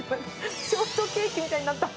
ショートケーキみたいになった。